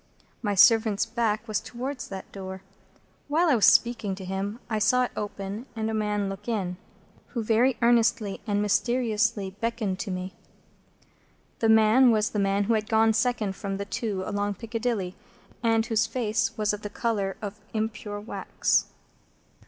My servant's back was towards that door. While I was speaking to him, I saw it open, and a man look in, who very earnestly and mysteriously beckoned to me. That man was the man who had gone second of the two along Piccadilly, and whose face was of the colour of impure wax.